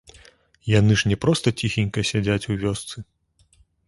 Яны ж не проста ціхенька сядзяць у вёсцы.